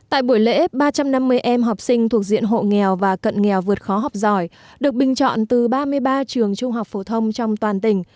tại buổi lễ ba trăm năm mươi em học sinh thuộc diện hộ nghèo và cận nghèo vượt khó học giỏi được bình chọn từ ba mươi ba trường trung học phổ thông trong toàn tỉnh